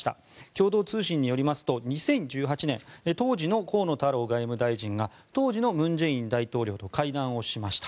共同通信によりますと２０１８年当時の河野太郎外務大臣が当時の文在寅大統領と会談をしました。